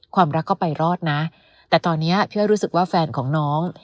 ความรักก็ไปรอดนะแต่ตอนนี้พี่อ้อยรู้สึกว่าแฟนของน้อง